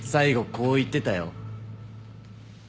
こう言ってたよ。